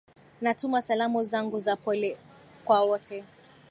natuma salamu zangu za pole kwa wote